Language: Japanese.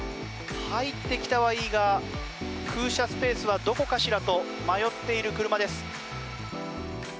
入ってきたはいいが空車スペースはどこかしらと迷っている車です。